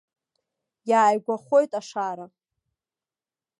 Иааигәахоит ашара.